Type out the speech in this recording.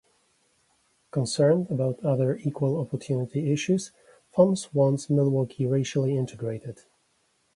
Concerned about other equal opportunity issues, Fonz wants Milwaukee racially integrated.